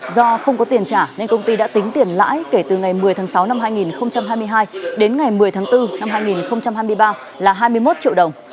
do không có tiền trả nên công ty đã tính tiền lãi kể từ ngày một mươi tháng sáu năm hai nghìn hai mươi hai đến ngày một mươi tháng bốn năm hai nghìn hai mươi ba là hai mươi một triệu đồng